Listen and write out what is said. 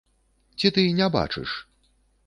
Ці ты не бачыш?